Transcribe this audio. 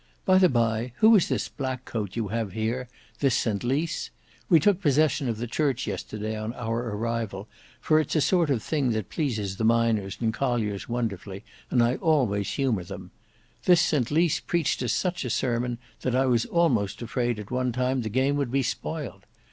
By the bye, who is this blackcoat you have here, this St Lys? We took possession of the church yesterday on our arrival, for it's a sort of thing that pleases the miners and colliers wonderfully, and I always humour them. This St Lys preached us such a sermon that I was almost afraid at one time the game would be spoiled.